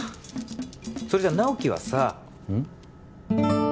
それじゃ直木はさうん？